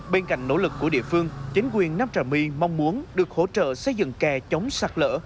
bên cạnh nỗ lực của địa phương chính quyền nam trà my mong muốn được hỗ trợ xây dựng kè chống sạt lỡ